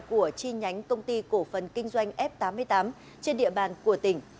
của chi nhánh công ty cổ phần kinh doanh f tám mươi tám trên địa bàn của tỉnh